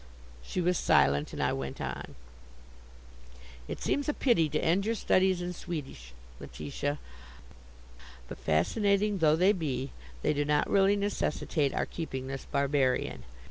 She was silent, and I went on: "It seems a pity to end your studies in Swedish, Letitia, but fascinating though they be, they do not really necessitate our keeping this barbarian.